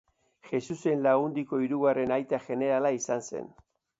Jesusen Lagundiko hirugarren aita jenerala izan zen.